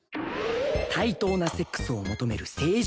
対等なセックスを求める正常位派。